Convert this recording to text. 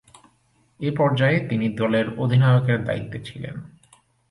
এ পর্যায়ে তিনি দলের অধিনায়কের দায়িত্বে ছিলেন।